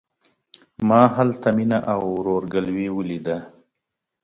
ما هلته مينه او ورور ګلوي وليده.